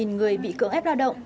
một người bị cưỡng ép lao động